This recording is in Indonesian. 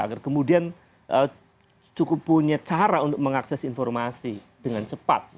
agar kemudian cukup punya cara untuk mengakses informasi dengan cepat